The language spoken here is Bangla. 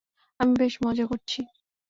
আমি বেশ মজা করছি!